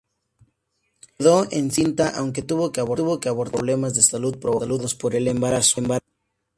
Quedó encinta aunque tuvo que abortar por problemas de salud provocados por el embarazo.